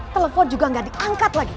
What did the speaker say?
telepon juga nggak diangkat lagi